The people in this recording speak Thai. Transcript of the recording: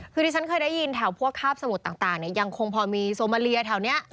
คือที่ฉันเคยได้ยินแถวพวกคาบสมุดต่างยังคงพอมีโซมาเลียแถวนี้